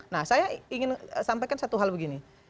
nah saya ingin sampaikan satu hal begini